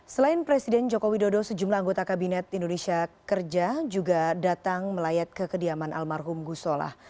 selain presiden joko widodo sejumlah anggota kabinet indonesia kerja juga datang melayat ke kediaman almarhum gusola